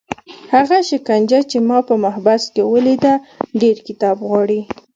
هغه شکنجه چې ما په محبس کې ولیده ډېر کتاب غواړي.